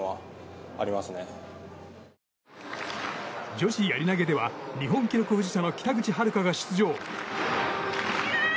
女子やり投げでは日本記録保持者の北口榛花が出場。